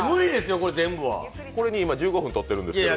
これで今１５分取ってるんですけど。